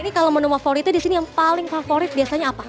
ini kalau menu favoritnya di sini yang paling favorit biasanya apa